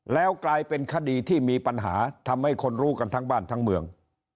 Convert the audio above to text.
แล้วกลายเป็นคดีที่มีปัญหาทำให้คนรู้กันทั้งบ้านทั้งเมือง